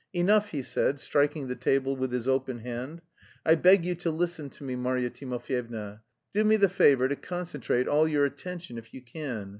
"Enough," he said, striking the table with his open hand. "I beg you to listen to me, Marya Timofyevna. Do me the favour to concentrate all your attention if you can.